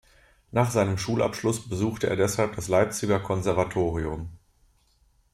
Nach seinem Schulabschluss besuchte er deshalb das Leipziger Konservatorium.